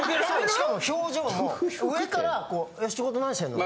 しかも表情も上からこう仕事何してんの？